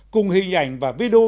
cùng hình ảnh và video